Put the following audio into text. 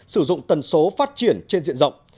sử dụng tần số phát triển trên diện rộng